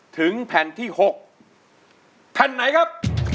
ถึงแผ่นที่๖แผ่นไหนครับ